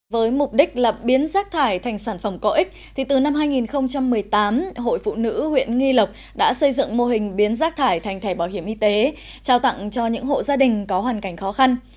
với mục đích là biến rác thải thành sản phẩm có ích thì từ năm hai nghìn một mươi tám hội phụ nữ huyện nghi lộc đã xây dựng mô hình biến rác thải thành thẻ bảo hiểm y tế trao tặng cho những hộ gia đình có hoàn cảnh khó khăn